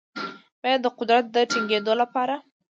بیا یې د قدرت د ټینګیدو لپاره